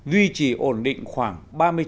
duy trì ổn định khoảng